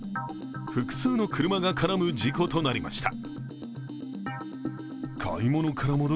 複数の車が絡む事故となりました。